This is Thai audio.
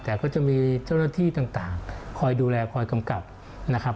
แต่ก็จะมีเจ้าหน้าที่ต่างคอยดูแลคอยกำกับนะครับ